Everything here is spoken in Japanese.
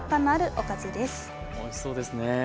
おいしそうですね。